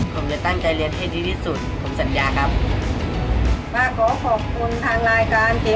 ผมจะตั้งใจเรียนให้ดีที่สุดผมสัญญาครับป้าขอขอบคุณทางรายการเกม